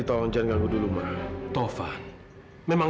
oh jalan jalan kemana